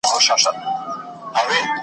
هغه چي تل به وېرېدلو ځیني .